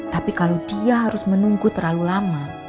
tapi kalau dia harus menunggu terlalu lama